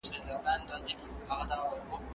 د ګوندونو سيالۍ اوس تر تېرو وختونو ګړندۍ سوي دي.